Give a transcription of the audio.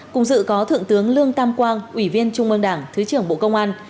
cùng dự có thượng tướng lương tam quang ủy viên trung ương đảng thứ trưởng bộ công an